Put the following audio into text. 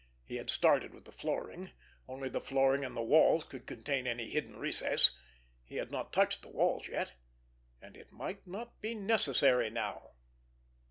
He had started with the flooring. Only the flooring and the walls could contain any hidden recess. He had not touched the walls yet, and it might not be necessary now!